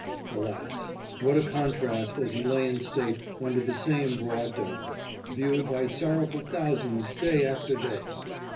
Alas, what a contrast as he lay in state under the same broad dome, viewed by sorrowful thousands day after day